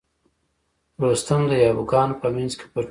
رستم د یابو ګانو په منځ کې پټ و.